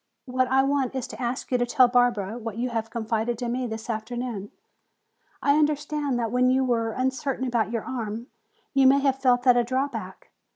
What I want is to ask you to tell Barbara what you have confided to me this afternoon. I understand that when you were uncertain about your arm, you may have felt that a drawback.